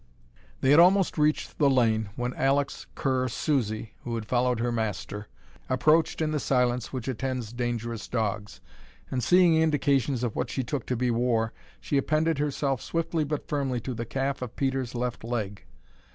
They had almost reached the lane when Alek's cur Susie, who had followed her master, approached in the silence which attends dangerous dogs; and seeing indications of what she took to be war, she appended herself swiftly but firmly to the calf of Peter's left leg.